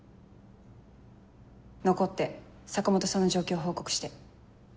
残って坂本さんの状況を報告して。